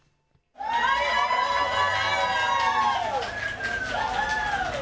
ありがとうございます！